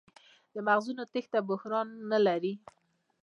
د مغزونو تېښته جبران نه لري.